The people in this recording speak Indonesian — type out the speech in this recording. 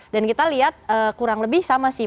dan kita lihat kurang lebih sama sih